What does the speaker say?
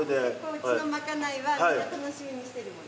うちのまかないはみんな楽しみにしてるもんね。